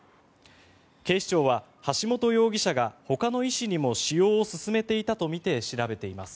警視庁は橋本容疑者がほかの医師にも使用を勧めていたとみて調べています。